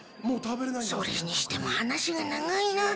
それにしても話が長いな。